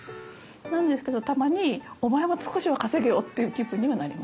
なんですけどたまにお前も少しは稼げよっていう気分にはなりますね。